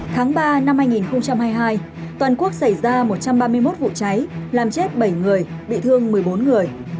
tháng ba năm hai nghìn hai mươi hai toàn quốc xảy ra một trăm ba mươi một vụ cháy làm chết bảy người bị thương một mươi bốn người